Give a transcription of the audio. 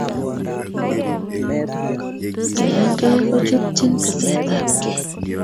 Keyankei kochutchin tesetapkei